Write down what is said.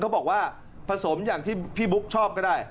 เขาบอกว่าผสมอย่างที่พี่บุ๊กชอบก็ได้